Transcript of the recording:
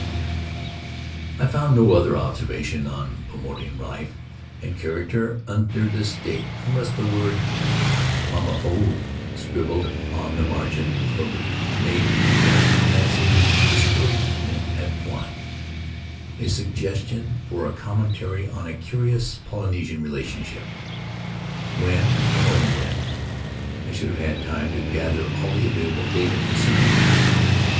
I find no other observations on Paumotuan life and character, under this date, unless the word, "Mama faaamu" scribbled on the margin of a leaf, may be regarded as a discouraged hint at one; a suggestion for a commentary on a curious Polynesian relationship, when — and only when — I should have had time to gather all of the available data concerning it.